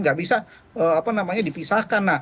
tidak bisa dipisahkan